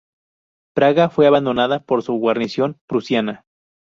Praga fue abandonada por su guarnición prusiana.